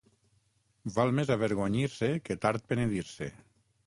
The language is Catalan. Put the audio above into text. Val més avergonyir-se que tard penedir-se.